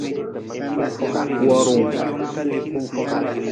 Worung.